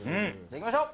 行きましょう！